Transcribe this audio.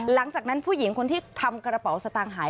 หลังจากนั้นผู้หญิงคนที่ทำกระเป๋าสตางค์หาย